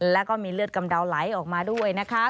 แล้วก็มีเลือดกำเดาไหลออกมาด้วยนะคะ